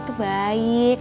kamu tuh baik